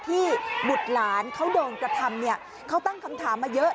บุตรหลานเขาโดนกระทำเนี่ยเขาตั้งคำถามมาเยอะ